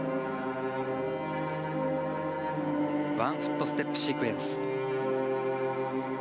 ワンフットステップシークエンス。